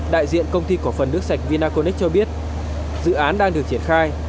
đại diện công ty cổ phần nước sạch vinaconex cho biết dự án đang được triển khai